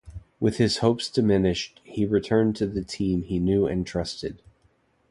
With his hopes diminished, he returned to the team he knew and trusted.